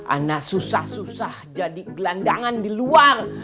anak susah susah jadi gelandangan di luar